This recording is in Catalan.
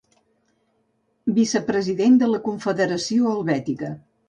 Vicepresident de la Confederació Helvètica.